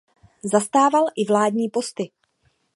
Zastával i vládní posty.